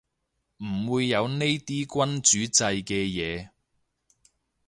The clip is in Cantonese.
唔會有呢啲君主制嘅嘢